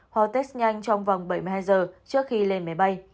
hoặc test nhanh trong vòng bảy mươi hai giờ trước khi lên máy bay